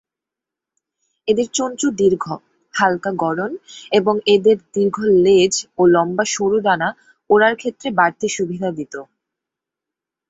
এদের চঞ্চু দীর্ঘ, হালকা গড়ন এবং এদের দীর্ঘ লেজ ও লম্বা সরু ডানা ওড়ার ক্ষেত্রে বাড়তি সুবিধা দিতো।